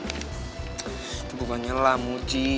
itu bukan nyela muci